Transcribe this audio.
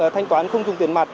thanh toán không dùng tiền mặt